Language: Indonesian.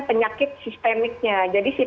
penyakit sistemiknya jadi si